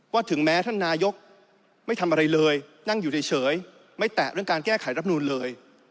ถึงแม้ท่านนายกไม่ทำอะไรเลยนั่งอยู่เฉยไม่แตะเรื่องการแก้ไขรับนูลเลย